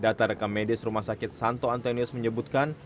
data rekam medis rumah sakit santo antonius menyebutkan